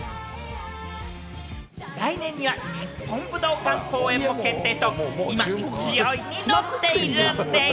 来年には日本武道館公演も決定と、今、勢いに乗っているんでぃす。